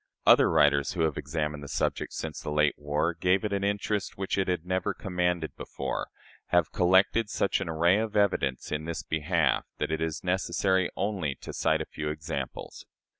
Other writers, who have examined the subject since the late war gave it an interest which it had never commanded before, have collected such an array of evidence in this behalf that it is necessary only to cite a few examples.